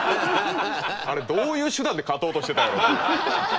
あれどういう手段で勝とうとしてたんやろ。